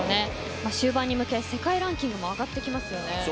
終盤に向け世界ランキングも上がってきますよね。